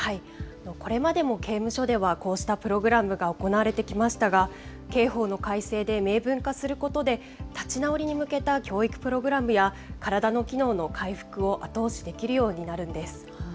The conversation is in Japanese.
これまでも刑務所ではこうしたプログラムが行われてきましたが、刑法の改正で明文化することで、立ち直りに向けた教育プログラムや、体の機能の回復を後押しできるようになるんです。